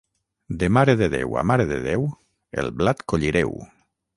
De Mare de Déu a Mare de Déu, el blat collireu.